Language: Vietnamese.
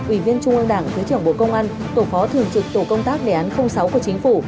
ủy viên trung ương đảng thứ trưởng bộ công an tổ phó thường trực tổ công tác đề án sáu của chính phủ